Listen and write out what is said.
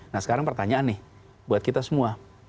nah sekarang pertanyaan nih buat kita semua